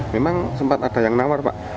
memang sempat ada yang nawar pak